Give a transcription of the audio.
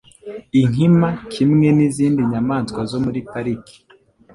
Inkima kimwe n'izindi nyamaswa zo muri Pariki